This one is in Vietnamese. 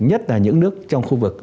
nhất là những nước trong khu vực